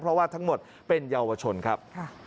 เพราะว่าทั้งหมดเป็นเยาวชนครับ